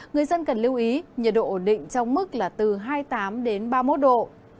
người dân cần lưu ý nhiệt độ ổn định trong mức là từ hai mươi tám đến ba mươi một độ